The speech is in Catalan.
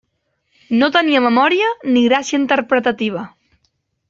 No tenia memòria ni gràcia interpretativa.